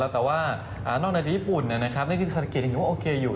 แต่ว่านอกในญี่ปุ่นนะครับที่สังเกตยังคิดว่าโอเคอยู่